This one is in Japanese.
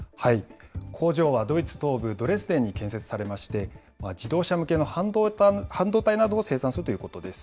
工場はドイツ東部ドレスデンに建設されまして、自動車向けの半導体などを生産するということです。